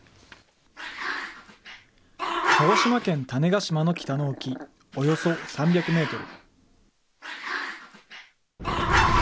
鹿児島県種子島の北の沖、およそ３００メートル。